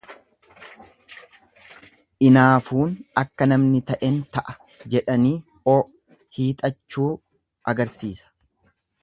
Inaafuun akka namni ta'en ta'a jedhanii o hiixachuu agarsiisa.